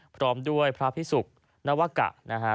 พร้อมด้วยพระพิศุกร์นวักกะ